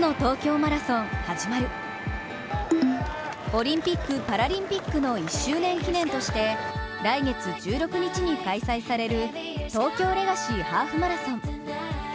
オリンピック・パラリンピックの１周年記念として来月１６日に開催される東京レガシーハーフマラソン。